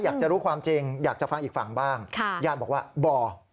อยากจะรู้ความจริงอยากจะฟังอีกฝั่งบ้างญาติบอกว่าบ่อ